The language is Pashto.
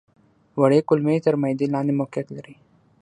وړې کولمې تر معدې لاندې موقعیت لري.